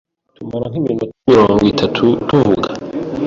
tumara nk’ iminota mirongo itatu tuvuga